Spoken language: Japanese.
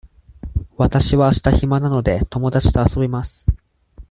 わたしはあした暇なので、友達と遊びます。